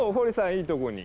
いいとこに。